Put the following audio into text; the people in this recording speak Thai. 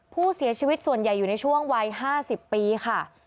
ผู้เสียชีวิตส่วนใหญ่อยู่ในช่วงวัย๕๐ปีค่ะ